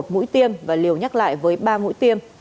một mũi tiêm và liều nhắc lại với ba mũi tiêm